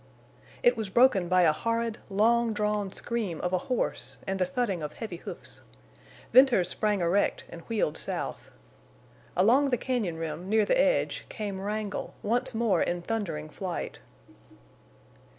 It was broken by a horrid, long drawn scream of a horse and the thudding of heavy hoofs. Venters sprang erect and wheeled south. Along the cañon rim, near the edge, came Wrangle, once more in thundering flight.